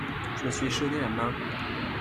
Je me suis échaudé la main !